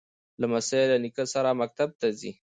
لمسی له نیکه سره مکتب ته ځي.